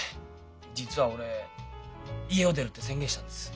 実は俺「家を出る」って宣言したんです。